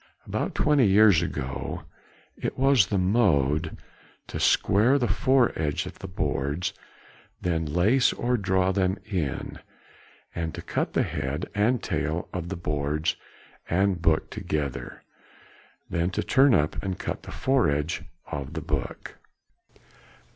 About twenty years ago it was the mode to square the foredge of the boards, then lace or draw them in, and to cut the head and tail of the boards and book together, then to turn up and cut the foredge of the book.